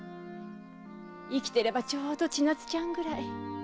生きてればちょうど千奈津ちゃんぐらい。